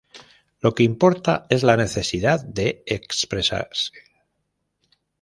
Lo que importa es la necesidad de expresarse.